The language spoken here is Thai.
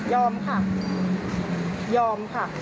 ยอมค่ะยอมค่ะ